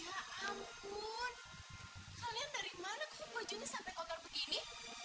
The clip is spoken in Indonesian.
ya ampun kalian dari mana kok bajunya sampai kotor begini